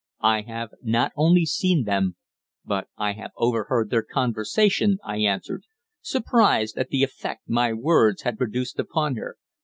"I have not only seen them, but I have overheard their conversation," I answered, surprised at the effect my words had produced upon her.